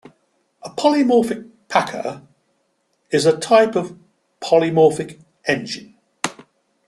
A polymorphic packer is a type of polymorphic engine.